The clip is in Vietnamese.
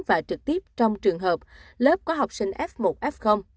và trực tiếp trong trường hợp lớp có học sinh f một f